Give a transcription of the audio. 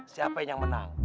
siapa yang menang